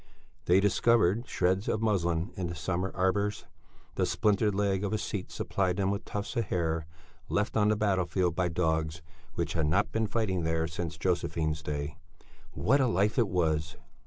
They discovered shreds of muslin in the summer arbours; the splintered leg of a seat supplied them with tufts of hair left on the battlefield by dogs which had not been fighting there since Josephine's day. What a life it was!